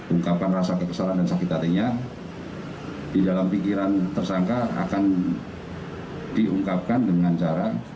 ungkapkan rasa kekesalan dan sakit hatinya di dalam pikiran tersangka akan diungkapkan dengan cara